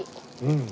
うん。